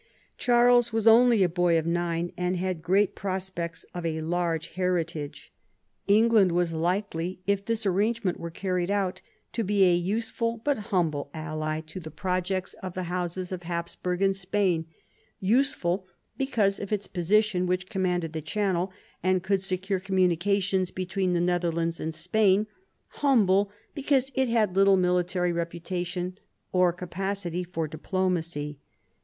Charles was only a boy of nine, and had great prospects of a large heritage. Eng land was hkely, if this arrangement were carried out, to be a useful but humble ally to the projects of the houses 14 THOMAS WOLSEY chap. of Hapsburg and Spain, useful because of its position, which commanded the Channel, and could secure com munications between the Netherlands and Spain, humble because it had little military reputation or capacity for diplomacy.